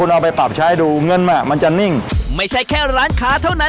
เอาไปปรับใช้ดูเงินมามันจะนิ่งไม่ใช่แค่ร้านค้าเท่านั้น